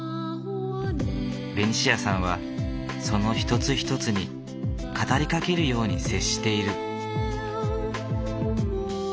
ベニシアさんはその１つ１つに語りかけるように接している。